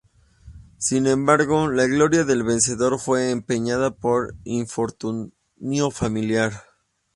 Sin embargo, la gloria del vencedor fue empañada por el infortunio familiar.